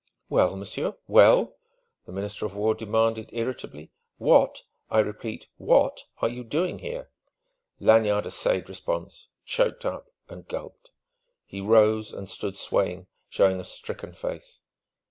"Well, monsieur well?" the Minister of War demanded irritably. "What I repeat what are you doing there?" Lanyard essayed response, choked up, and gulped. He rose and stood swaying, showing a stricken face.